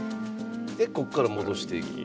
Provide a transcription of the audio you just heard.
でこっから戻していく。